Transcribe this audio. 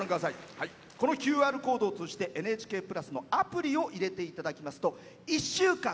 このＱＲコードを通じて「ＮＨＫプラス」のアプリを入れていただきますと１週間、